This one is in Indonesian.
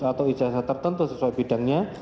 atau ijazah tertentu sesuai bidangnya